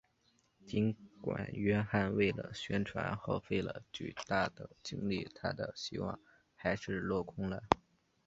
尽管约翰为了宣传耗费了巨大的精力他的希望还是落空了。